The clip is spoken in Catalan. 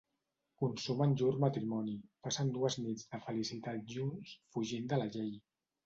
Consumen llur matrimoni, passen dues nits de felicitat junts fugint de la llei.